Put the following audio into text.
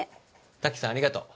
タキさんありがとう。